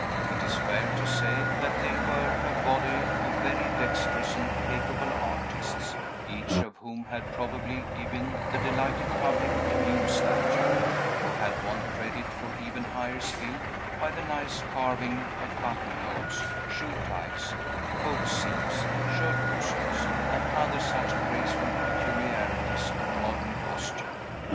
It is fair to say, that they were a body of very dexterous and capable artists, each of whom had probably given the delighted public a nude statue, or had won credit for even higher skill by the nice carving of buttonholes, shoe ties, coat seams, shirt bosoms, and other such graceful peculiarities of modern costume.